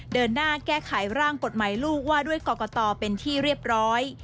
เดินหน้าแก้ไขร่างกฎหมายลูกว่าด้วยกรกตเป็นที่เรียบร้อย